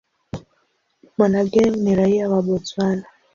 Monageng ni raia wa Botswana.